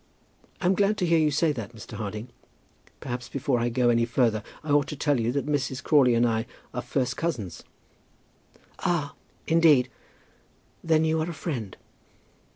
"I'm glad to hear you say that, Mr. Harding. Perhaps before I go any further I ought to tell you that Mrs. Crawley and I are first cousins." "Oh, indeed. Then you are a friend."